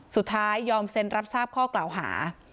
สุดท้ายยอมเซ็นรับทราบข้อกล่าวหา